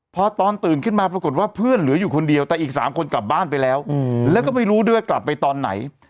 พอตอนตื่นขึ้นมาปรากฏว่าเพื่อนเหลืออยู่คนเดียวแต่อีก๓คนกลับบ้านไปแล้วแล้วก็ไม่รู้ด้วยว่ากลับไปตอนไหน